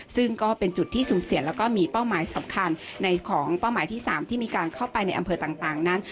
ซึ่งก็เป็นจุดที่สุ่มเสี่ยงแล้วก็มีเป้าหมายสำคัญในของเป้าหมายที่๓ที่มีการเข้าไปในอำเภอต่างนั้น